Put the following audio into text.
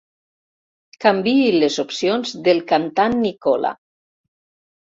Canviï les opcions del cantant Nicola.